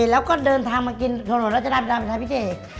แล้วก็เดินทางมากินถนนรัชดาประชาพิเศษ